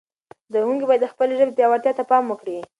زده کوونکي باید د خپلې ژبې پياوړتیا ته پام وکړي.